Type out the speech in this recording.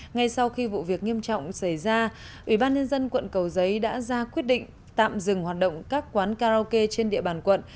ngay sau khi vụ việc nghiêm trọng xảy ra ubnd quận cầu giấy đã ra quyết định tạm dừng hoạt động các quán karaoke trên địa bàn quận